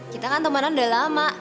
kita kan temannya udah lama